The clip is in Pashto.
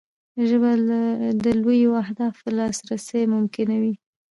ژبه د لویو اهدافو لاسرسی ممکنوي